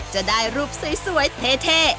จะได้รูปสวยเท่